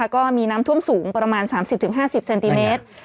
ก็มีน้ำท่วมสูงประมาณ๓๐๕๐เซนติเมตร